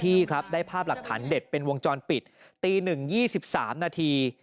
ขี่เข้ามาแล้วก็บอกผมว่าจอดจอด